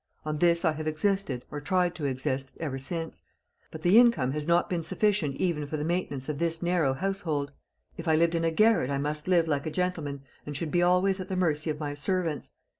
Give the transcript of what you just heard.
On this I have existed, or tried to exist, ever since: but the income has not been sufficient even for the maintenance of this narrow household; if I lived in a garret, I must live like a gentleman, and should be always at the mercy of my servants.